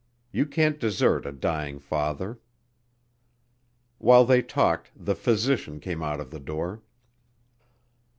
You can't desert a dying father." While they talked the physician came out of the door.